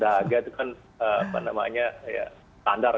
nah agak itu kan apa namanya ya standar